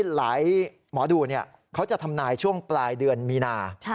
หลายหมอดูเขาจะทำนายช่วงปลายเดือนมีนา